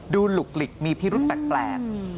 หลุกหลิกมีพิรุธแปลก